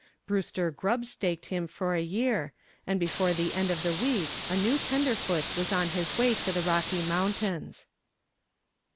Brewster "grub staked" him for a year, and before the end of the week a new tenderfoot was on his way to the Rocky Mountains.